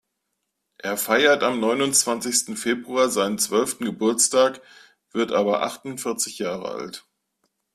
Er feiert am neunundzwanzigsten Februar seinen zwölften Geburtstag, wird aber achtundvierzig Jahre alt.